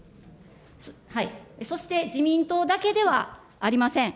そして、自民党だけではありません。